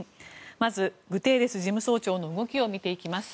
まず、グテーレス事務総長の動きを見ていきます。